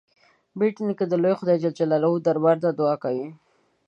بېټ نیکه د لوی خدای جل جلاله دربار ته دعا کوي.